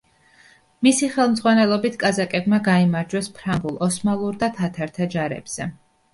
მისი ხელმძღვანელობით კაზაკებმა გაიმარჯვეს ფრანგულ, ოსმალურ და თათართა ჯარებზე.